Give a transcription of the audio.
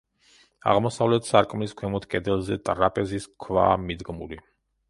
აღმოსავლეთ სარკმლის ქვემოთ, კედელზე, ტრაპეზის ქვაა მიდგმული.